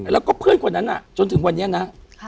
แล้วก็เพื่อนคนนั้นจนถึงวันนี้นะ